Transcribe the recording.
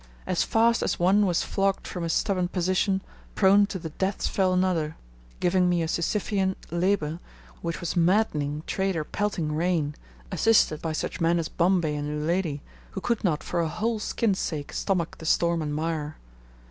As fast as one was flogged from his stubborn position, prone to the depths fell another, giving me a Sisyphean labour, which was maddening trader pelting rain, assisted by such men as Bombay and Uledi, who could not for a whole skin's sake stomach the storm and mire.